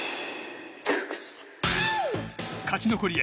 勝ち残りへ